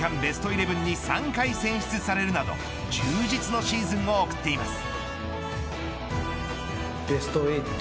イレブンに３回選出されるなど充実のシーズンを送っています。